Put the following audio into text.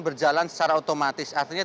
berjalan secara otomatis artinya